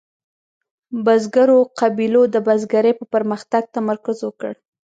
بزګرو قبیلو د بزګرۍ په پرمختګ تمرکز وکړ.